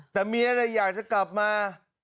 แต่เมียอยากจะกลับมา